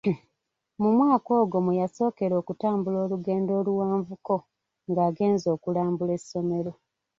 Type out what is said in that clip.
Mu mwaka ogwo mwe yasookera okutambula olugendo oluwanvuko ng'agenze okulambula essomero.